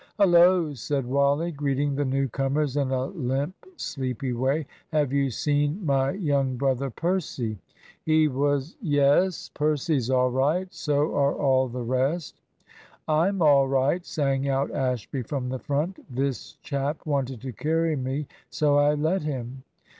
"Hullo," said Wally, greeting the new comers in a limp, sleepy way, "have you seen my young brother Percy? He was " "Yes Percy's all right; so are all the rest." "I'm all right," sang out Ashby from the front. "This chap wanted to carry me, so I let him."